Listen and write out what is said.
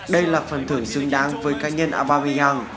đây là phần thưởng xứng đáng với cá nhân abameyang